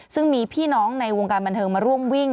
ซึ่งมีพี่น้องในวงการบันเทิงมาร่วมวิ่ง